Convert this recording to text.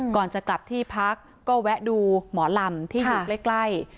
ก่อนจะกลับที่พักก็แวะดูหมอลำที่อยู่ใกล้